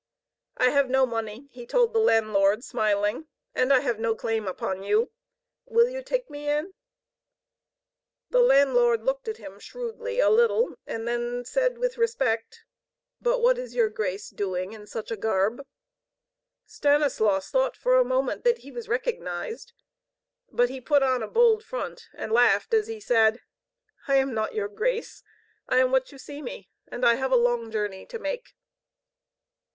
"I have no money," he told the landlord, smiling, "and I have no claim upon you. Will you take me in?" The landlord looked at him shrewdly a little, then said with respect: "But what is your grace doing in such a garb?" Stanislaus thought for a moment that he was recognized; but he put on a bold front, and laughed as he said: "I am not 'your grace. I am what you see me, and I have a long journey to make."